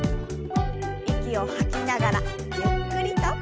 息を吐きながらゆっくりと。